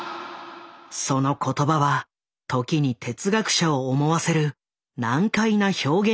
その言葉は時に哲学者を思わせる難解な表現に満ちていた。